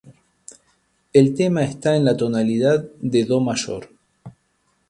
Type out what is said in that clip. El tema está en la tonalidad de "do" mayor.